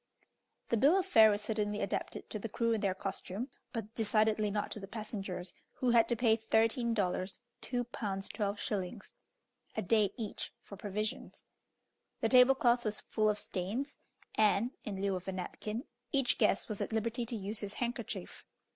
The bill of fare was certainly adapted to the crew and their costume, but decidedly not to the passengers, who had to pay thirteen dollars (2 pounds 12s.) a day each for provisions. The table cloth was full of stains, and, in lieu of a napkin, each guest was at liberty to use his handkerchief.